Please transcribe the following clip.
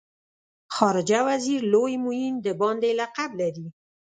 خارجه وزیر لوی معین د باندې لقب لري.